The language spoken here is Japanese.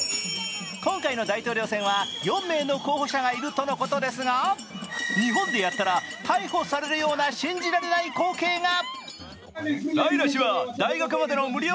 今回の大統領選は４名の候補者がいるとのことですが、日本でやったら逮捕されるような信じられない光景が。